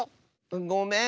ごめん！